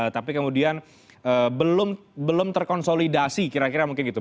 tapi kemudian belum terkonsolidasi kira kira mungkin gitu